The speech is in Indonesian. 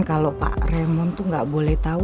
kalau pak raymond tuh gak boleh tau